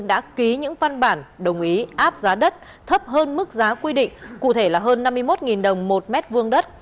đã ký những văn bản đồng ý áp giá đất thấp hơn mức giá quy định cụ thể là hơn năm mươi một đồng một mét vuông đất